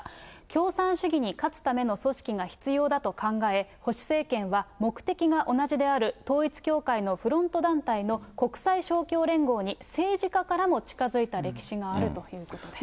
共産主義に勝つための組織が必要だと考え、保守政権は、目的が同じである統一教会のフロント団体の国際勝共連合に政治家からも近づいた歴史があるということです。